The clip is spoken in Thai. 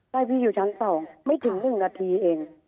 ใช่พี่อยู่ชั้น๒ไม่ถึง๑นาทีเอง